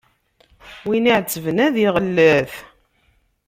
Win iɛettben ad iɣellet.